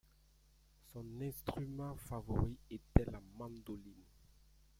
Son instrument favori était la mandoline.